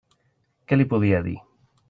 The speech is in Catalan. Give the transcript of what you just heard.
Què li podia dir?